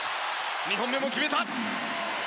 ２本目も決めた。